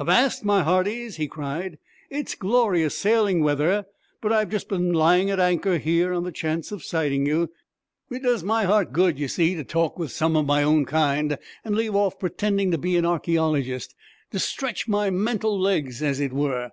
'Avast, my hearties!' he cried. 'It's glorious sailing weather, but I've just been lying at anchor here, on the chance of sighting you. It does my heart good, y' see, to talk with some of my own kind, and leave off pretending to be an archæologist to stretch my mental legs, as it were.